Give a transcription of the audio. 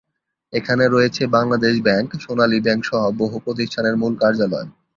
এখানে রয়েছে Bangladesh bank, Sonali bank সহ বহু প্রতিষ্ঠানের মূল কার্যালয়।